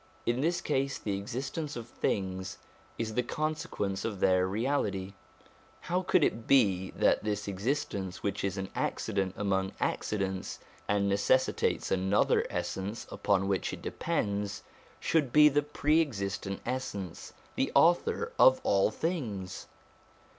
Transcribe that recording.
In this case, the existence of things is the consequence of their reality : how could it be that this existence, which is an accident among accidents, and necessitates another essence upon which it depends, should be the Pre existent Essence, the Author of all things